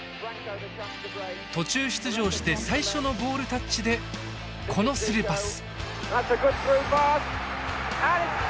途中出場して最初のボールタッチでこのスルーパス。